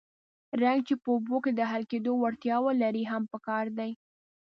رنګ چې په اوبو کې د حل کېدو وړتیا ولري هم پکار دی.